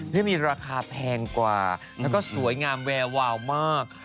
ที่มีราคาแพงกว่าแล้วก็สวยงามแวววาวมาก